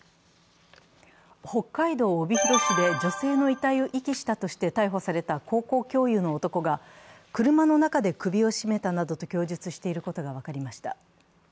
北海道帯広市で女性の遺体を遺棄したとして逮捕された高校教諭の男が車の中で首を絞めたなどと供述していることが分かりました。